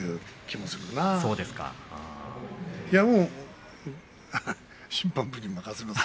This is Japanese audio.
もう審判部に任せます。